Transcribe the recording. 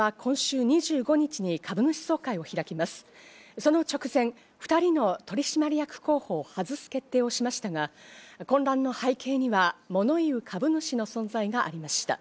その直前、２人の取締役候補を外す決定をしましたが、混乱の背景にはもの言う株主の存在がありました。